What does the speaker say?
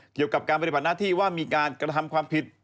เกี่ยวกับการปฏิบัติหน้าที่ว่ามีการกระทำความผิด